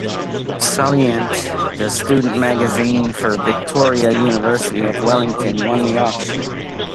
Salient, the student magazine for Victoria University of Wellington, won the auction.